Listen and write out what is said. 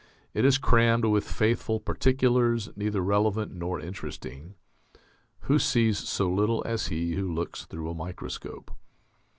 It is crammed with faithful particulars neither relevant nor interesting. (Who sees so little as he who looks through a microscope?)